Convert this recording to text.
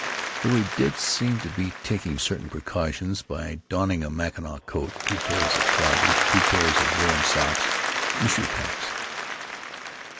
(Though he did seem to be taking certain precautions, by donning a mackinaw coat, two pairs of trousers, two pairs of woolen socks, and shoe packs.)